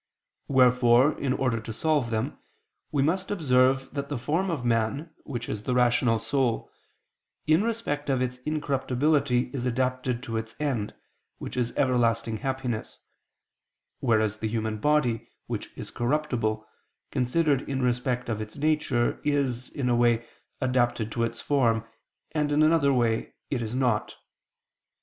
Wherefore in order to solve them, we must observe that the form of man which is the rational soul, in respect of its incorruptibility is adapted to its end, which is everlasting happiness: whereas the human body, which is corruptible, considered in respect of its nature, is, in a way, adapted to its form, and, in another way, it is not.